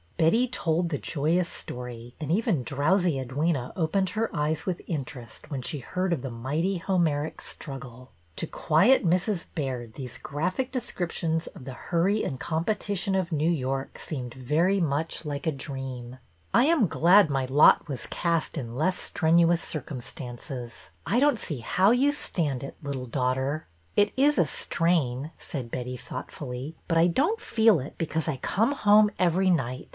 Betty told the joyous story, and even drowsy Edwyna opened her eyes with interest when she heard of the mighty Homeric struggle. To quiet Mrs. Baird these graphic descriptions of the hurry and competition of New York seemed very much like a dream. 298 BETTY BAIRD'S VENTURES I am glad my lot was cast in less strenuous circumstances. I don't see how you stand it, little daughter." '' It is a strain," said Betty, thoughtfully, '' but I don't feel it because I come home every night.